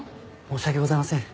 申し訳ございません。